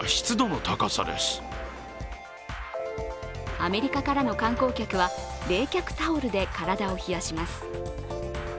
アメリカからの観光客は冷却タオルで体を冷やします。